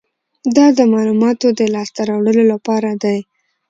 دا د معلوماتو د لاسته راوړلو لپاره دی.